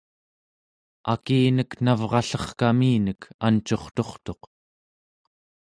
akinek navrallerkaminek ancurturtuq